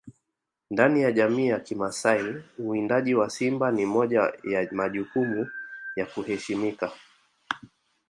Ndani ya jamii ya kimasai uwindaji wa simba ni moja ya majukumu ya kuheshimika